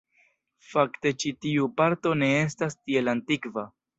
Fakte ĉi tiu parto ne estas tiel antikva.